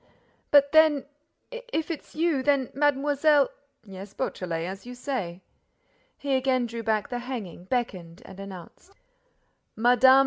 "But then—if it's you—then—Mademoiselle—" "Yes, Beautrelet, as you say—" He again drew back the hanging, beckoned and announced: "Mme.